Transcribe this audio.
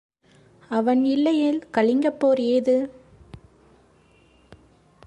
அவன் இல்லையேல், கலிங்கப் போர் ஏது?